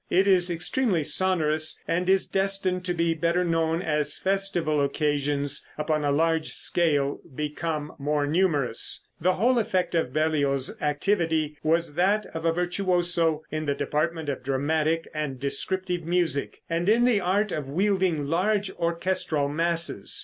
It is extremely sonorous, and is destined to be better known as festival occasions upon a larger scale become more numerous. The whole effect of Berlioz's activity was that of a virtuoso in the department of dramatic and descriptive music, and in the art of wielding large orchestral masses.